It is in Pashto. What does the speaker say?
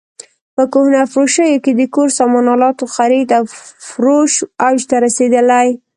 په کهنه فروشیو کې د کور سامان الاتو خرید او فروش اوج ته رسېدلی.